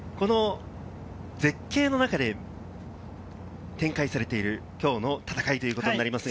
絶景の中で展開されているきょうの戦いということになります。